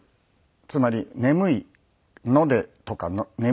つまり「眠いので」とか「眠いから寝る」。